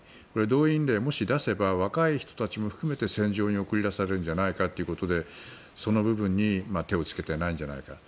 動員令を、もし出せば若い人たちも含めて戦場に送り出されるんじゃないかということで、その部分に手を付けてないんじゃないかと。